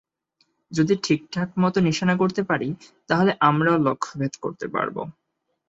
যদি ঠিকঠাক মতো নিশানা করতে পারি, তাহলে আমরাও লক্ষ্যভেদ করতে পারব।